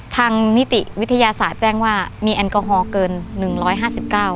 นิติวิทยาศาสตร์แจ้งว่ามีแอลกอฮอลเกินหนึ่งร้อยห้าสิบเก้า